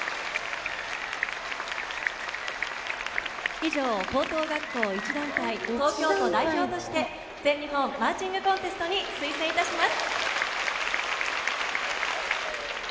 以上、高等学校１団体、東京代表として、全日本マーチングコンテストに推薦いたします。